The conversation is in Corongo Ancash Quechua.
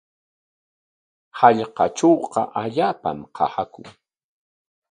Hallqatrawqa allaapam qasaakun.